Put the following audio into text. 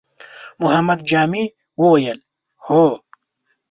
محمد جامي وويل: هو!